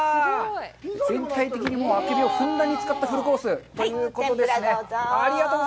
全体的にあけびを使ったフルコースということでですね。